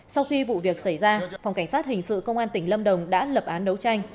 sau khi vụ việc xảy ra phòng cảnh sát hình sự công an tỉnh lâm đồng đã lập án đấu tranh